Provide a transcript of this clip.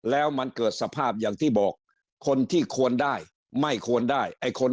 แล้วมันเกิดสภาพอย่างที่บอกคนที่ควรได้ไม่ควรได้ไอ้คน